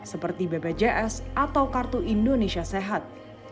seperti bpjs atau kartu indonesia sehat